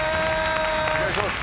お願いします。